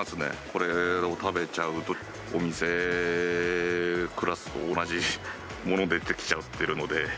これを食べちゃうと、お店クラスと同じもの出てきちゃってるので。